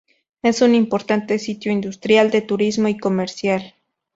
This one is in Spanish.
Es un importante sitio industrial, de turismo y comercial.